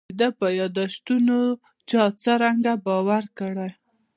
د ده په یاداشتونو چا څرنګه باور کړی.